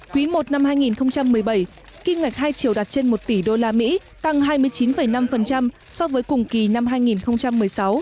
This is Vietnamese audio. quý i năm hai nghìn một mươi bảy kinh ngạch hai triệu đạt trên một tỷ usd tăng hai mươi chín năm so với cùng kỳ năm hai nghìn một mươi sáu